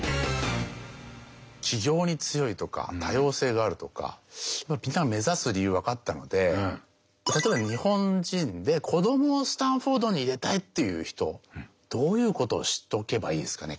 起業に強いとか多様性があるとかみんなが目指す理由分かったので例えば日本人で子どもをスタンフォードに入れたいっていう人どういうことを知っておけばいいですかね